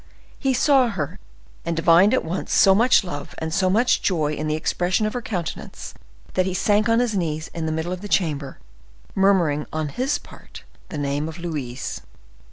He saw her, and divined at once so much love and so much joy in the expression of her countenance, the he sank on his knees in the middle of the chamber, murmuring, on his part, the name of Louise.